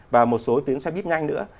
và một số tuyến xe bíp nhanh nữa